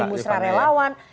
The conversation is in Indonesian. tampil di musra relawan